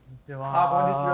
あっこんにちは。